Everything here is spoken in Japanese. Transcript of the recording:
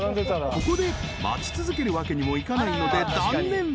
［ここで待ち続けるわけにもいかないので］